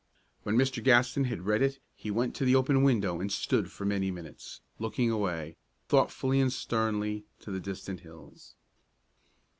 When Mr. Gaston had read it he went to the open window and stood for many minutes, looking away, thoughtfully and sternly, to the distant hills.